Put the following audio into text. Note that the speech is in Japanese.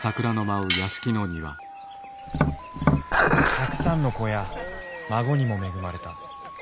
たくさんの子や孫にも恵まれた。